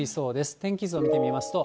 天気図を見てみますと。